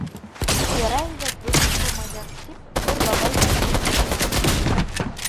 — Ярай әле, бөгөн ҡыумайҙар, — тип бер бабай ҙа һүҙ башланы.